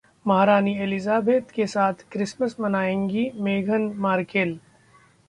महारानी एलिजाबेथ के साथ क्रिसमस मनाएंगी मेघन मार्केल